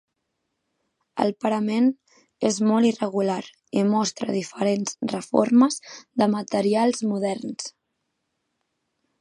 El parament és molt irregular i mostra diferents reformes de materials moderns.